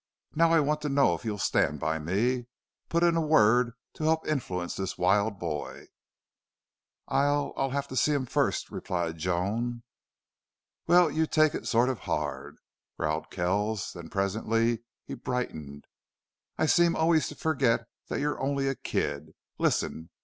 Now, I want to know if you'll stand by me put in a word to help influence this wild boy." "I'll I'll have to see him first," replied Joan. "Well, you take it sort of hard," growled Kells. Then presently he brightened. "I seem always to forget that you're only a kid. Listen!